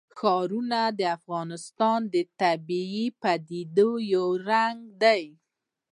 ښارونه د افغانستان د طبیعي پدیدو یو رنګ دی.